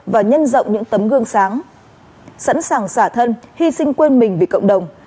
và nhân rộng những tấm gương sáng sẵn sàng xả thân hy sinh quên mình vì cộng đồng